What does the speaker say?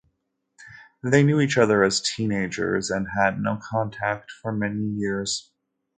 They knew each other as teenagers, and had no contact for many years.